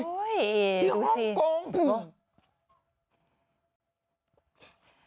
ที่ฮ่องกง